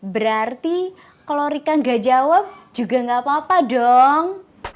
berarti kalau rika gak jawab juga nggak apa apa dong